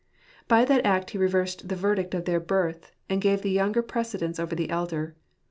By that act he reversed the verdict of their birth, and gave the younger precedence over the elder.